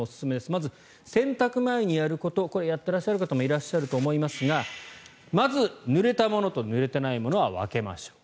まず、洗濯前にやることこれ、やっていらっしゃる方もいると思いますがまずぬれたものとぬれてないものは分けましょう。